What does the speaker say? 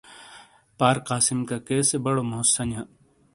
پار قاسم ککے سے بڑو موزسَنیاں۔